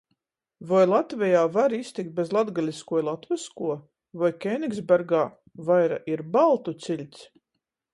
Voi Latvejā var iztikt bez latgaliskuo i latvyskuo? Voi Kēnigsbergā vaira ir baltu ciļts?